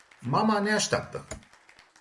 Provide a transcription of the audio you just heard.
Mama ne asteapta.